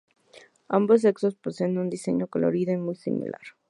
Ambos sexos poseen un diseño y colorido muy similar.